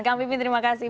kang pipin terima kasih